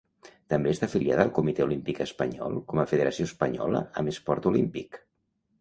També està afiliada al Comitè Olímpic Espanyol com a federació espanyola amb esport olímpic.